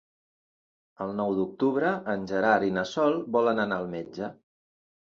El nou d'octubre en Gerard i na Sol volen anar al metge.